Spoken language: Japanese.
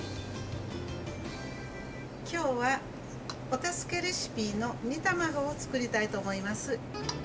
きょうは、お助けレシピの煮卵を作りたいと思います。